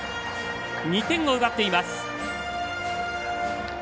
２点を奪っています。